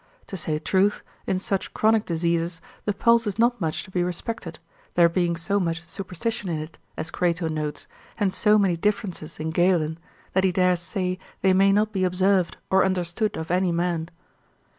To say truth, in such chronic diseases the pulse is not much to be respected, there being so much superstition in it, as Crato notes, and so many differences in Galen, that he dares say they may not be observed, or understood of any man.